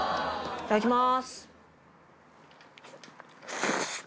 いただきます。